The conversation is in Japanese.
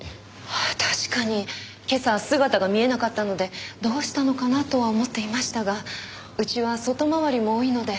確かに今朝姿が見えなかったのでどうしたのかなとは思っていましたがうちは外回りも多いので。